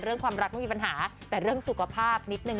ความรักไม่มีปัญหาแต่เรื่องสุขภาพนิดนึง